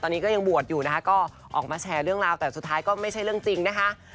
ตอนนี้ก็ยังบวชอยู่นะคะก็ออกมาแชร์เรื่องราวแต่สุดท้ายก็ไม่ใช่เรื่องจริงนะคะ